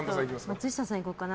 松下さんいこうかな。